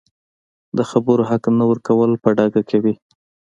د خبرو حق نه ورکول په ډاګه کوي